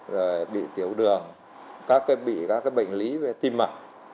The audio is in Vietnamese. rồi bị tiểu đường các bệnh lý về tim mặt